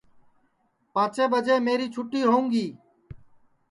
پانٚچیں ٻجے میری چھُتی ہوؤں گی